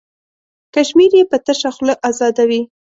کشمیر یې په تشه خوله ازادوي.